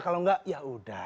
kalau enggak yaudah